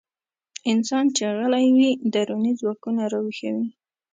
انسان چې غلی وي، دروني ځواکونه راويښوي.